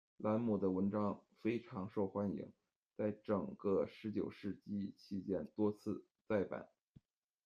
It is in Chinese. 兰姆的文章非常受欢迎，在整个十九世纪期间多次再版。